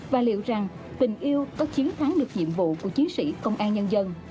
và liệu rằng tình yêu có chiến thắng được nhiệm vụ của chiến sĩ công an nhân dân